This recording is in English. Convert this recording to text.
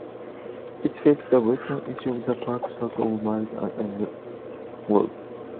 It faces the western edge of the park south of Mile End Road.